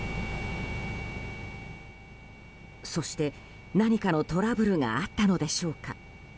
そして、何かのトラブルがあったのでしょうか。